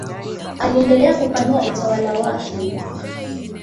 Aliendelea kupanua utawala wake.